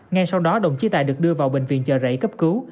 ngay sau đó đồng chí tài được đưa vào bệnh viện chờ rảy cấp cứu